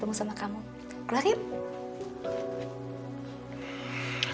mulai duluan jadi aja deh